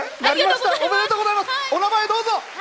お名前、どうぞ！